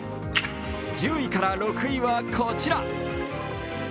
１０位から６位はこちら。